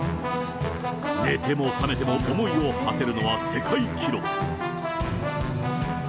寝ても覚めても、思いをはせるのは世界記録。